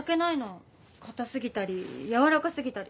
硬すぎたりやわらかすぎたり。